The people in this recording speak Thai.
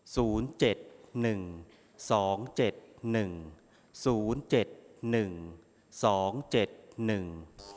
ศูนย์เจ็ดหนึ่งสองเจ็ดหนึ่งศูนย์เจ็ดหนึ่งสองเจ็ดหนึ่ง